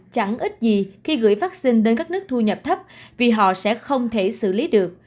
chẳng ít gì khi gửi phát sinh đến các nước thu nhập thấp vì họ sẽ không thể xử lý được